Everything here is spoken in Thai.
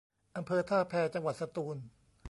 อำเภอท่าแพ จังหวัดสตูล